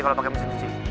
kalau pakai mesin cuci